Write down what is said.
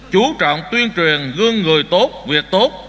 chú trọng tuyên truyền gương người tốt việc tốt